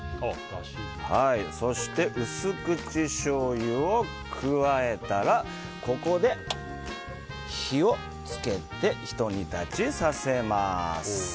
そして、薄口しょうゆを加えたらここで火を付けてひと煮立ちさせます。